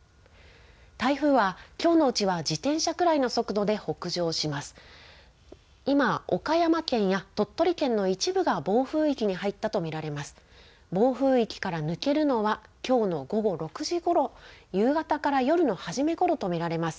台風はきょうのうちは自転車くらいの速度で北上します。